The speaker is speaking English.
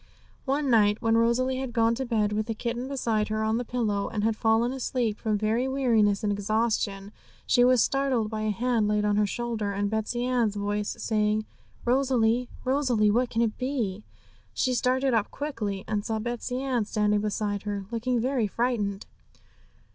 One night, when Rosalie had gone to bed, with the kitten beside her on the pillow, and had fallen asleep from very weariness and exhaustion, she was startled by a hand laid on her shoulder, and Betsey Ann's voice saying 'Rosalie, Rosalie! what can it be?' She started up quickly, and saw Betsey Ann standing beside her, looking very frightened.